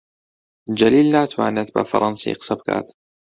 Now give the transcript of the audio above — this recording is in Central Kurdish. جەلیل ناتوانێت بە فەڕەنسی قسە بکات.